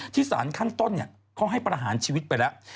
สารขั้นต้นเขาให้ประหารชีวิตไปแล้ว